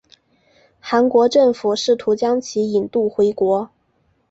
韩国政府试图将其引渡回国。